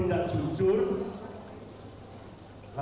supaya masyarakat menilai